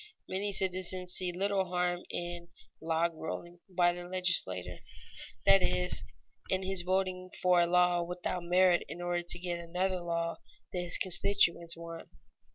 Many citizens see little harm in "log rolling" by the legislator, that is, in his voting for a law without merit in order to get another law that his constituents want.